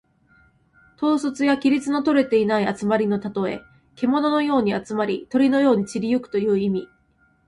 統率や規律のとれていない集まりのたとえ。けもののように集まり、鳥のように散り行くという意味。